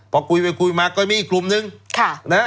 พอคุยไปคุยมาก็มีอีกกลุ่มนึง